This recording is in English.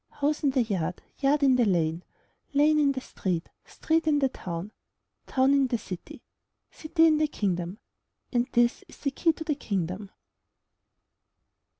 House in the yard. Yard in the lane. Lane in the street. Street in the town. Town in the city. City in the Kingdom, And this is the key to the Kingdom.